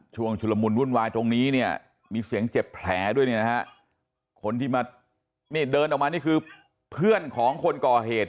ช่วงชุลมุลวุ่นวายตรงนี้มีเสียงเจ็บแผลด้วยคนที่เดินออกมานี่คือเพื่อนของคนก่อเหตุ